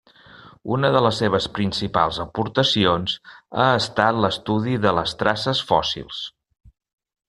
Una de les seves principals aportacions ha estat l'estudi de les traces fòssils.